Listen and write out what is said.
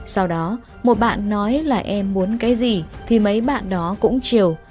sau đó một bạn nói là em muốn cái gì thì mấy bạn đó cũng chiều